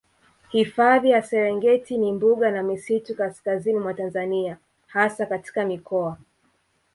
Hifadhi ya Serengeti ni mbuga na misitu kaskazini mwa Tanzania hasa katika mikoa